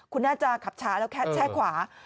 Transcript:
คุณน่าจะขับช้าแล้วแช่ขวา